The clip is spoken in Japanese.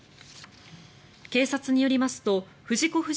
警察によりますと藤子